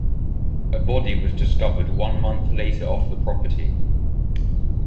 A body was discovered one month later off the property.